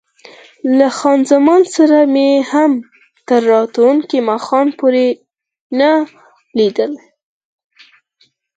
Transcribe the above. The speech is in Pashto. له خان زمان سره مې هم تر راتلونکي ماښام پورې ونه لیدل.